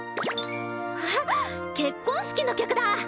あっ結婚式の曲だ！